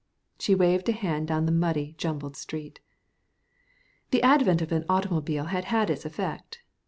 She waved a hand down the muddy, jumbled street. The advent of an automobile had had its effect.